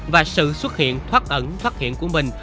và sự xuất hiện thoát ẩn thoát hiện của mình